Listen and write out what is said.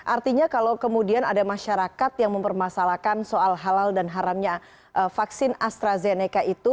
artinya kalau kemudian ada masyarakat yang mempermasalahkan soal halal dan haramnya vaksin astrazeneca itu